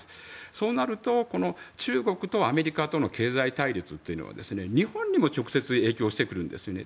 そうなると、中国とアメリカとの経済対立というのは日本にも直接影響してくるんですね。